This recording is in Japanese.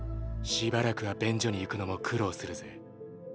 しばらくは便所に行くのも苦労するぜ？